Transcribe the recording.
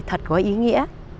thật có ý nghĩa